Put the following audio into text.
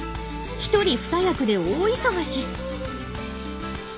一人二役で大忙し。